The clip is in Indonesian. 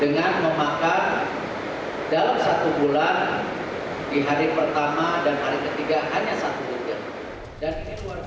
dengan memakan dalam satu bulan di hari pertama dan hari ketiga hanya satu butir